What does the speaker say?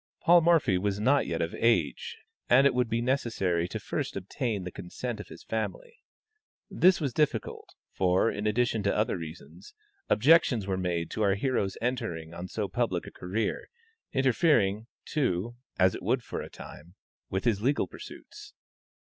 Paul Morphy was not yet of age, and it would be necessary to first obtain the consent of his family. This was difficult, for, in addition to other reasons, objections were made to our hero's entering on so public a career, interfering, too, as it would for a time, with his legal pursuits.